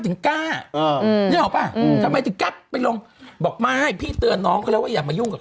เออพี่เล่าเถอะแล้วหนูก็ไม่รู้